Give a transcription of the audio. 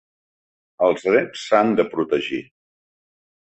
Els drets s'han de protegir!